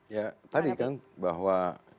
ya tadi kan bahwa